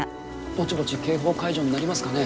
ぼちぼち警報解除になりますかね？